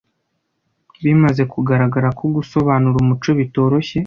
Bimaze kugaragara ko gusobanura umuco bitoroshye;